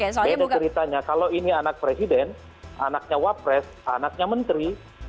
jadi ceritanya kalau ini anak presiden anaknya wapres anaknya menteri